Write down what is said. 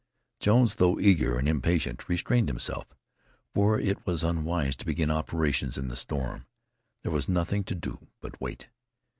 Jones, though eager and impatient, restrained himself, for it was unwise to begin operations in the storm. There was nothing to do but wait.